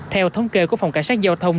theo thống kê của phòng cảnh sát giao thông